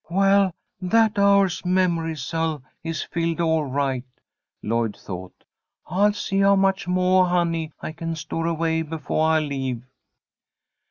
"Well, that hour's memory cell is filled all right," Lloyd thought. "I'll see how much moah honey I can store away befoah I leave."